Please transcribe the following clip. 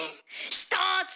ひとつ！